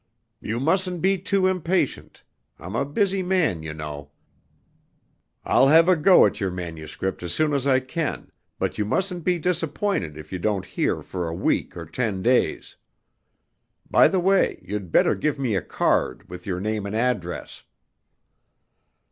"You mustn't be too impatient. I'm a busy man, you know. I'll have a go at your manuscript as soon as I can, but you mustn't be disappointed if you don't hear for a week or ten days. By the way, you'd better give me a card with your name and address."